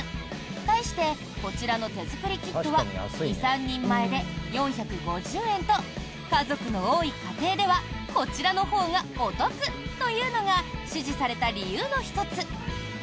対してこちらの手づくりキットは２３人前で４５０円と家族の多い家庭ではこちらのほうがお得というのが支持された理由の１つ。